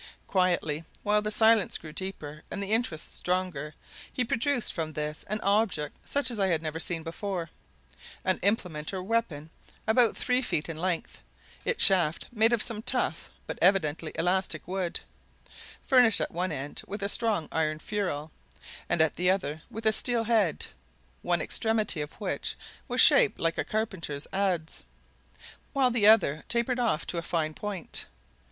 Quietly, while the silence grew deeper and the interest stronger, he produced from this an object such as I had never seen before an implement or weapon about three feet in length, its shaft made of some tough but evidently elastic wood, furnished at one end with a strong iron ferrule, and at the other with a steel head, one extremity of which was shaped like a carpenter's adze, while the other tapered off to a fine point.